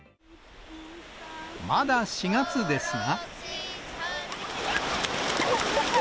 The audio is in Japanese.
まだ４月ですが。